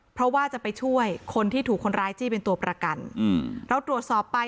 เพราะว่าจะไปช่วยคนที่ถูกคนร้ายจี้เป็นตัวประกันอืมเราตรวจสอบไป